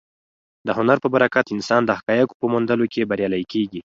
د هنر په برکت انسان د حقایقو په موندلو کې بریالی کېږي.